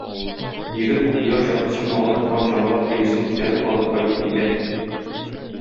Егет бу кояш яктысын ала торган җанвар тиресен күтәреп алып кайтып китә.